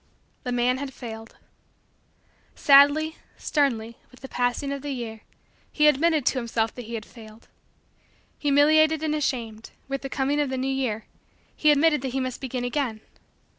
The man had failed. Sadly, sternly, with the passing of the year, he admitted to himself that he had failed. Humiliated and ashamed, with the coming of the new year, he admitted that he must begin again.